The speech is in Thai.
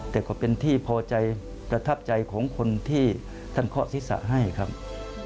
แต่ก็เป็นที่พอใจประทับใจของคนที่ท่านเคาะศีรษะให้ครับ